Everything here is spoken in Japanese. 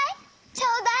ちょうだい！